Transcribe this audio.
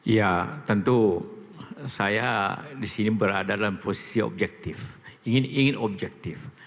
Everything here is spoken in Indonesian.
ya tentu saya disini berada dalam posisi objektif ingin objektif